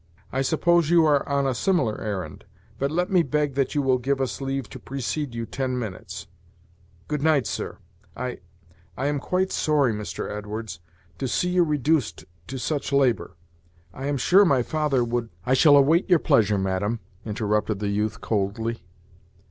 I suppose you are on a similar errand; but let me beg that you will give us leave to precede you ten minutes. Good night, sir; I I am quite sorry, Mr. Edwards, to see you reduced to such labor; I am sure my father would " "I shall wait your pleasure, madam," interrupted the youth coldly.